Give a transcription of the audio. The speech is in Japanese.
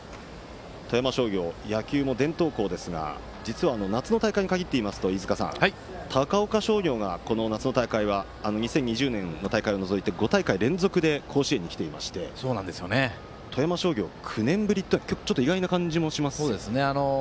富山商業は野球も伝統校ですが実は夏の大会に限って言いますと高岡商業が、この夏の大会は２０２０年の大会を除いて５大会連続で甲子園に来ていまして富山商業、９年ぶりというのは意外な感じもします。